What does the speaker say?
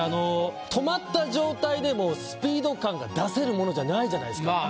止まった状態でもスピード感が出せるものじゃないじゃないですか。